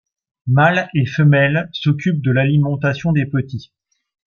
Mâles et femelles s’occupent de l’alimentation des petits.